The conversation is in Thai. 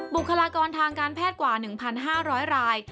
บุคลากรทางการแพทย์กว่า๑๕๐๐ราย